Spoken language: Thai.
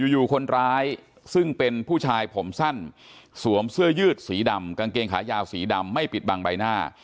อยู่คนร้ายซึ่งเป็นผู้ชายผมสั้นสวมเสื้อยืดสีดำกางเกงขายาวสีดำไม่ปิดบังใบหน้า